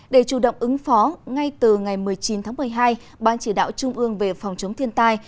để chủ động ứng phó ngay từ ngày một mươi chín tháng một mươi hai ban chỉ đạo trung ương về phòng chống thiên tai